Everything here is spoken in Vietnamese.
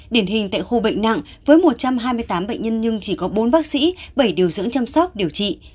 điển hình tại khu bệnh nặng với một trăm hai mươi tám bệnh nhân nhưng chỉ có bốn bác sĩ bảy điều dưỡng chăm sóc điều trị